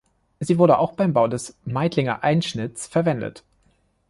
Sie wurde auch beim Bau des Meidlinger Einschnitts verwendet.